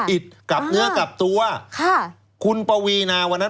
อิดกับเนื้อกลับตัวค่ะคุณปวีนาวันนั้น